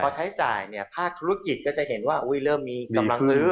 พอใช้จ่ายเนี่ยภาคธุรกิจก็จะเห็นว่าเริ่มมีกำลังซื้อ